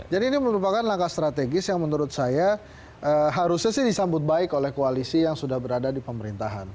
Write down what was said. ini merupakan langkah strategis yang menurut saya harusnya sih disambut baik oleh koalisi yang sudah berada di pemerintahan